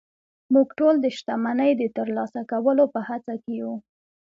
موږ ټول د شتمنۍ د ترلاسه کولو په هڅه کې يو